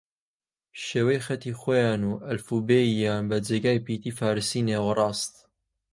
شێوەی خەتی خویان و ئەلفوبێ یان بە جێگای پیتی فارسی نێوەڕاست